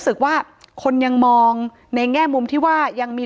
ถ้าใครอยากรู้ว่าลุงพลมีโปรแกรมทำอะไรที่ไหนยังไง